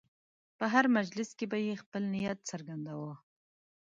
په هر مجلس کې به یې خپل نیت څرګنداوه.